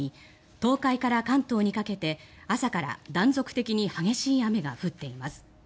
東海から関東にかけて朝から断続的に激しい雨が降っています。